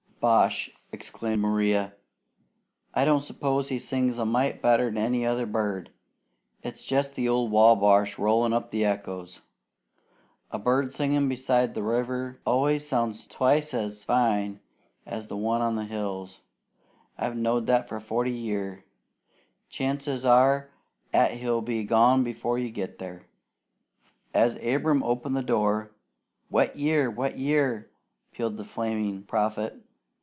"Bosh!" exclaimed Maria. "I don't s'pose he sings a mite better 'an any other bird. It's jest the old Wabash rollin' up the echoes. A bird singin' beside the river always sounds twicet as fine as one on the hills. I've knowed that for forty year. Chances are 'at he'll be gone 'fore you get there." As Abram opened the door, "Wet year! Wet year!" pealed the flaming prophet.